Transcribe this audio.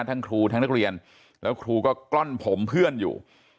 ทั้งครูทั้งนักเรียนแล้วครูก็กล้อนผมเพื่อนอยู่